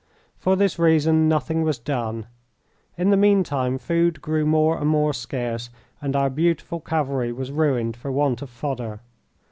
For this reason, nothing was done. In the meantime food grew more and more scarce, and our beautiful cavalry was ruined for want of fodder.